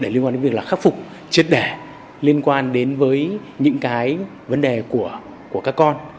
liên quan đến việc khắc phục triết đẻ liên quan đến với những cái vấn đề của các con